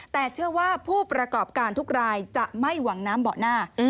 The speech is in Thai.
แต่เชื่อว่าผู้ประกอบการทุกรายจะไม่หวังน้ำเบาะหน้า